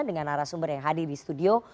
dengan arah sumber yang hadir di studio